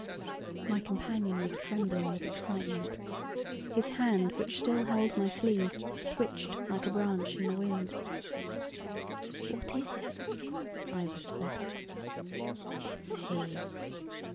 My companion was trembling with excitement. His hand, which still held my sleeve, twitched like a branch in the wind. "What is it?" I whispered. "It's he!"